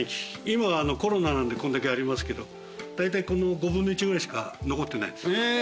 今はコロナなんでこんだけありますけどだいたいこの５分の１ぐらいしか残ってないです。